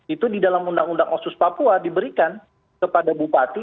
itu di dalam undang undang otsus papua diberikan kepada bupati